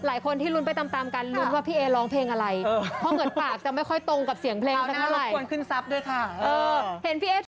หลายคนที่ลุ้นไปตามกันลุ้นว่าพี่เอร้องเพลงอะไรเพราะเหมือนปากจะไม่ค่อยตรงกับเสียงเพลงนะคะ